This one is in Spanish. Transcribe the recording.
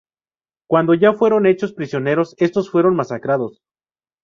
Cuando ya fueron hechos prisioneros estos fueron masacrados.